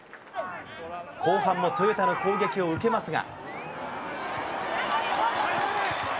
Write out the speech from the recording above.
後半もトヨタの攻撃を受けますが。